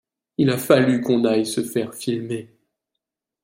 Il a fallu qu'on aille se faire filmer.